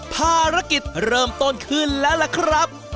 ภารกิจเริ่มต้นขึ้นแล้วล่ะครับ